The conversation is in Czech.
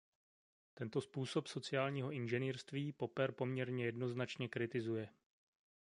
Tento způsob sociálního inženýrství Popper poměrně jednoznačně kritizuje.